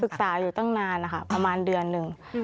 อยู่ตั้งนานนะคะประมาณเดือนหนึ่ง